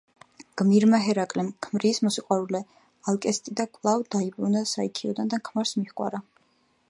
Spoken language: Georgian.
გმირმა ჰერაკლემ ქმრის მოსიყვარულე ალკესტიდა კვლავ დააბრუნა საიქიოდან და ქმარს მიჰგვარა.